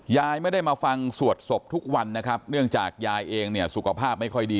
ยายไม่ได้มาฟังสวดศพทุกวันนะครับเนื่องจากยายเองเนี่ยสุขภาพไม่ค่อยดี